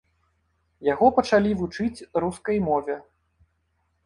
Яго пачалі вучыць рускай мове.